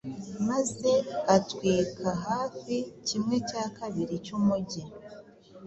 maze utwika hafi kimwe cya kabiri cy’umujyi.